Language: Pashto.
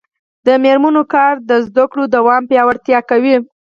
د میرمنو کار د زدکړو دوام پیاوړتیا کوي.